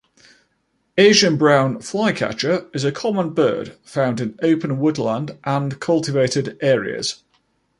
Asian brown flycatcher is a common bird found in open woodland and cultivated areas.